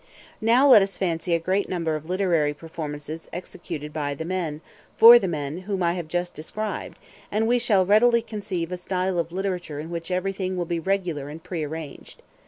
Now let us fancy a great number of literary performances executed by the men, or for the men, whom I have just described, and we shall readily conceive a style of literature in which everything will be regular and prearranged.